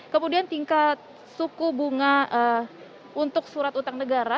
kemudian tingkat suku bunga untuk surat utang negara